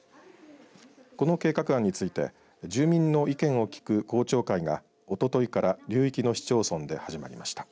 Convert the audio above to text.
この計画案について住民の意見を聞く公聴会が、おとといから流域の市町村で始まりました。